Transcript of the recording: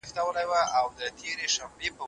دغه سړی پرون ډېر مهربان ښکارېدی.